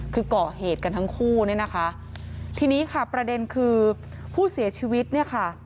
คือก่อเหตุกันทั้งคู่เนี่ยนะคะทีนี้ค่ะประเด็นคือผู้เสียชีวิตเนี่ยค่ะ